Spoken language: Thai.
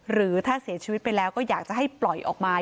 หรือถ้าเสียชีวิตไปแล้วก็อยากจะให้ปล่อยออกมา